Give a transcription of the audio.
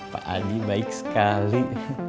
pak aji baik sekali